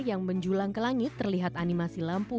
yang menjulang ke langit terlihat animasi lampu